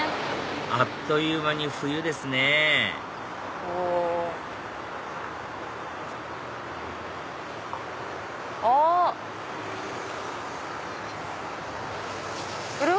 あっという間に冬ですねあっ！